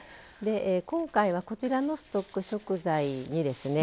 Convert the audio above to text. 今回はこちらのストック食材にですね